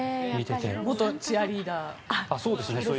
元チアリーダー。